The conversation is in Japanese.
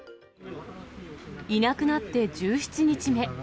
いなくなって１７日目。